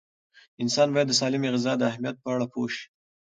انسان باید د سالمې غذا د اهمیت په اړه پوه شي.